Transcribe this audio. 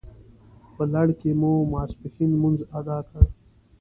په لړ کې مو ماپښین لمونځ اداء کړ.